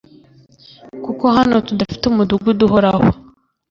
kuko hano tudafite umudugudu uhoraho